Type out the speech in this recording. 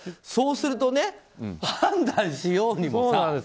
そうすると判断しようにもさ。